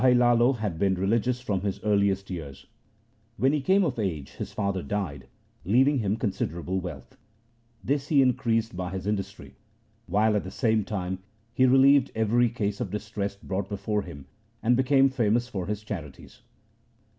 Bhai Lalo had been religious from his earliest LIFE OF GURU AMAR DAS 67 years. When he came of age his father died, leaving him considerable wealth. This he increased by his industry, while at the same time he relieved every case of distress brought before him, and became famous for his charities.